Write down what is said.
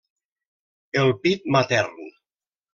El pit matern.